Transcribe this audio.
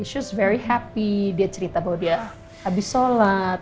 dia sangat senang dia cerita bahwa dia habis sholat